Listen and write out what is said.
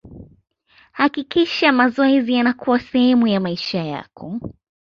hakikisha mazoezi yanakuwa sehemu ya maisha yako